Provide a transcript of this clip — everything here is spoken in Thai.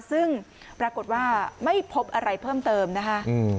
ซึ่งปรากฏว่าไม่พบอะไรเพิ่มเติมนะคะ